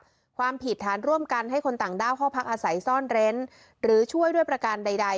ความผิดฐานร่วมกันให้คนต่างด้าวเข้าพักอาศัยซ่อนเร้นหรือช่วยด้วยประการใด